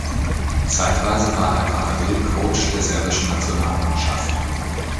Zeitweise war er parallel Coach der serbischen Nationalmannschaft.